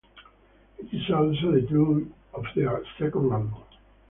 It is also the title of their second album.